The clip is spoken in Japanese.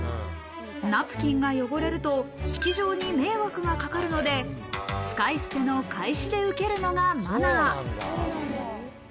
ナプキンが汚れると、式場に迷惑がかかるので、使い捨ての懐紙で受けるのがマナー。